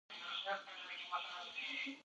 د دې پوښتنې ځواب پیدا کړه.